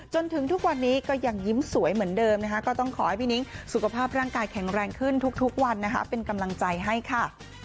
จนถึงทุกวันนี้ก็ยังยิ้มสวยเหมือนเดิมนะคะก็ต้องขอให้พี่นิ้งสุขภาพร่างกายแข็งแรงขึ้นทุกวันนะคะเป็นกำลังใจให้ค่ะ